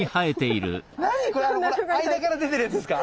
なにこれあのほら間から出てるやつですか？